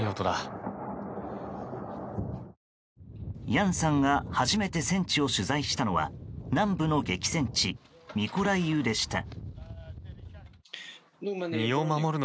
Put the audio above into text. ヤンさんが初めて戦地を取材したのは南部の激戦地ミコライウでした。